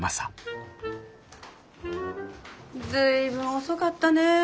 随分遅かったね。